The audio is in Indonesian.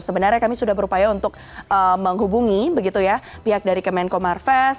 sebenarnya kami sudah berupaya untuk menghubungi begitu ya pihak dari kemenko marves